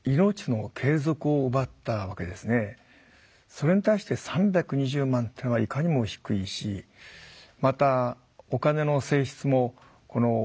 それに対して３２０万っていうのはいかにも低いしまたお金の性質もこの見舞い金のようなね一時金と。